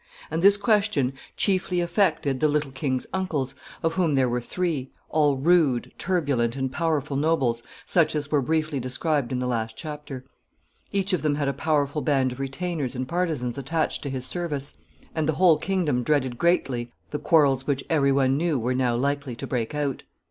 And this question chiefly affected the little king's uncles, of whom there were three all rude, turbulent, and powerful nobles, such as were briefly described in the last chapter. Each of them had a powerful band of retainers and partisans attached to his service, and the whole kingdom dreaded greatly the quarrels which every one knew were now likely to break out.